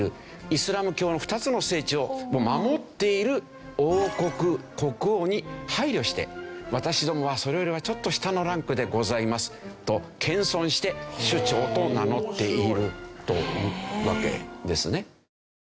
イスラム教の２つの聖地を守っている王国国王に配慮して私どもはそれよりはちょっと下のランクでございますと謙遜して首長と名乗っているというわけですね。